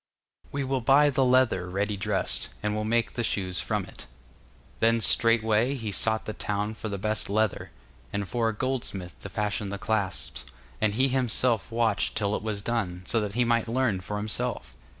We will buy the leather ready dressed, and will make the shoes from it. Then straightway he sought the town for the best leather, and for a goldsmith to fashion the clasps, and he himself watched till it was done, so that he might learn for himself.